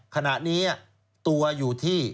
ขณะนี้ตัวอยู่ที่